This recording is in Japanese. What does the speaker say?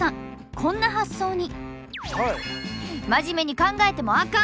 こんな発想に！